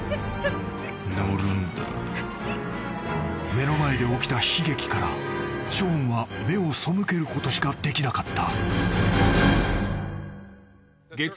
［目の前で起きた悲劇からショーンは目を背けることしかできなかった］